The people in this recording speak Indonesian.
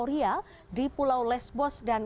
di ikin untuk dihasilkan